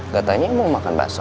gata ini mau makan bakso